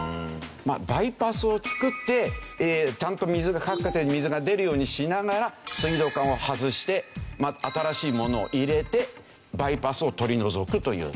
バイパスを造ってちゃんと各家庭に水が出るようにしながら水道管を外して新しいものを入れてバイパスを取り除くという。